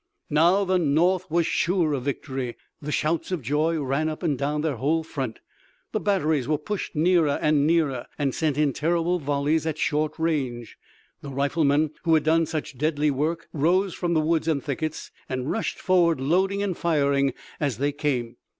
Now the North was sure of victory. The shouts of joy ran up and down their whole front. The batteries were pushed nearer and nearer, and sent in terrible volleys at short range. The riflemen who had done such deadly work rose from the woods and thickets, and rushed forward, loading and firing as they came.